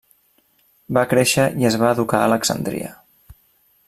Va créixer i es va educar a Alexandria.